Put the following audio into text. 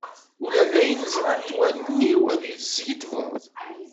Ula d ayen ẓrant wallen-iw ad iyi-teskiddbeḍ.